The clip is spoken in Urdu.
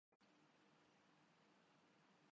ہم ان سے کیا حاصل کرنا چاہتے ہیں؟